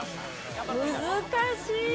難しい。